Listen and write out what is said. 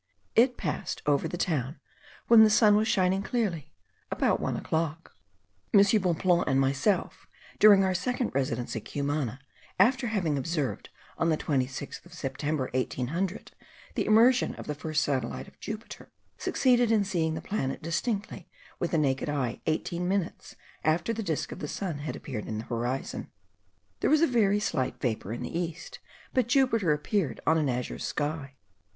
It passed over the town, when the sun was shining clearly, about one o'clock. M. Bonpland and myself, during our second residence at Cumana, after having observed, on the 26th of September, 1800, the immersion of the first satellite of Jupiter, succeeded in seeing the planet distinctly with the naked eye, eighteen minutes after the disk of the sun had appeared in the horizon. There was a very slight vapour in the east, but Jupiter appeared on an azure sky.